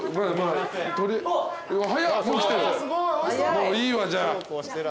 もういいわじゃあ。